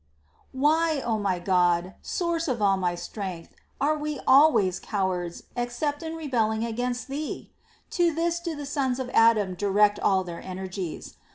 Why, O my God, source of all my strength, are we always cowards, except in rebelling against Thee ? To this do the sons of Adam direct all their energies.